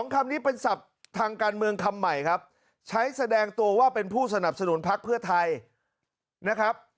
คำนี้เป็นศัพท์ทางการเมืองคำใหม่ครับใช้แสดงตัวว่าเป็นผู้สนับสนุนพักเพื่อไทยนะครับ